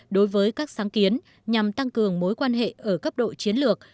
đối với các sáng kiến nhằm tăng cường mối quan hệ ở cấp độ chiến lược